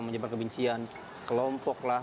menyebabkan kebencian kelompoklah